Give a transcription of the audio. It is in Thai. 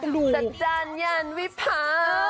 จัดจันยันวิภา